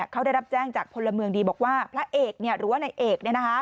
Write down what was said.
เขาได้รับแจ้งจากพลเมืองดีบอกว่าพระเอกหรือว่านายเอก